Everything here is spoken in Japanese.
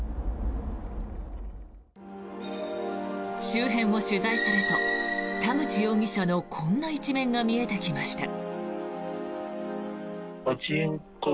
周辺を取材すると、田口容疑者のこんな一面が見えてきました。